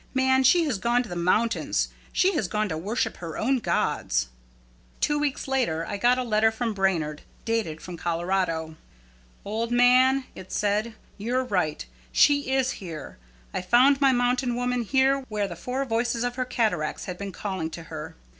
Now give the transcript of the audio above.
Man, she has gone to the mountains. She has gone to worship her own gods!" Two weeks later I got a letter from Brainard, dated from Colorado. "Old man," it said, "you're right. She is here. I found my mountain woman here where the four voices of her cataracts had been calling to her.